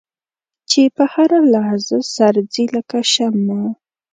چې په هره لحظه سر ځي لکه شمع.